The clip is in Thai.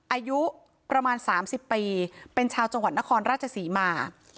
อายุประมาณ๓๐ปีเป็นชาวจังหวัดนครราชศรีมา